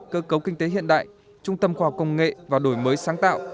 cơ cấu kinh tế hiện đại trung tâm khoa học công nghệ và đổi mới sáng tạo